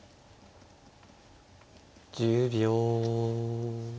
１０秒。